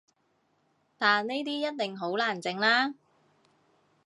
但呢啲一定好難整喇